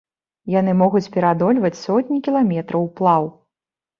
Яны могуць пераадольваць сотні кіламетраў уплаў.